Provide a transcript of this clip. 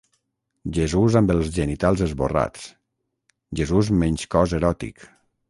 Jesús amb els genitals esborrats; Jesús menys cos eròtic.